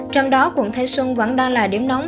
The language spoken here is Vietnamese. trong đó quận thanh xuân vẫn đang là điểm nóng